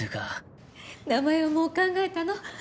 名前はもう考えたの？